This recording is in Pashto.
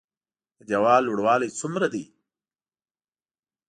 د ديوال لوړوالی څومره ده؟